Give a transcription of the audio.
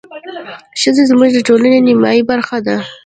ښځې زموږ د ټولنې نيمايي برخه ده.